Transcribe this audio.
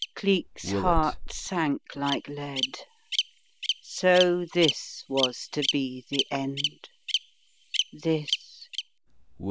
Cleek's heart sank like lead. So this was to be the end. This.